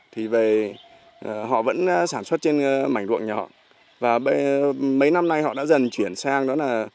thì về họ vẫn sản xuất trên mảnh ruộng nhỏ và mấy năm nay họ đã dần chuyển sang đó là